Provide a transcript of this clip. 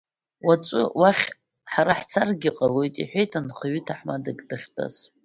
Уаҵәы, уахь ҳара ҳцаргьы ҟалоит, — иҳәеит нхаҩы ҭаҳмадак дахьтәаз.